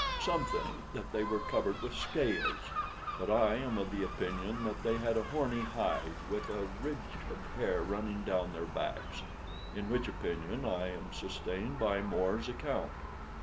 "Some think that they were covered with scales, but I am of the opinion that they had a horny hide, with a ridge of hair running down their backs in which opinion I am sustained by More's account.